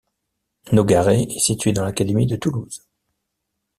Nogaret est située dans l'académie de Toulouse.